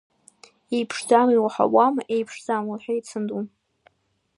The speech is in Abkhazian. Еиԥшӡам, иуаҳауама, еиԥшӡам, — лҳәеит санду.